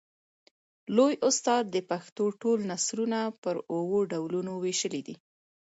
لوى استاد د پښتو ټول نثرونه پر اوو ډولونو وېشلي دي.